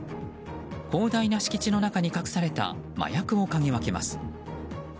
広大な敷地の中に隠された麻薬をかぎ分けます。